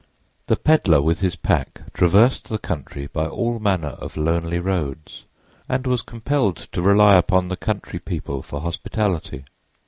The peddler with his pack traversed the country by all manner of lonely roads, and was compelled to rely upon the country people for hospitality.